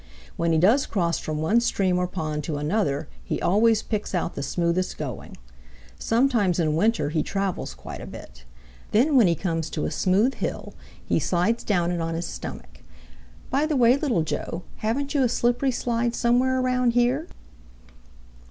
When he does cross from one stream or pond to another, he always picks out the smoothest going. Sometimes in winter he travels quite a bit. Then when he comes to a smooth hill, he slides down it on his stomach. By the way, Little Joe, haven't you a slippery slide somewhere around here?"